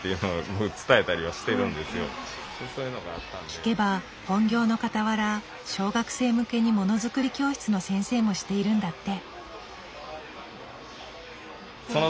聞けば本業のかたわら小学生向けにものづくり教室の先生もしているんだって。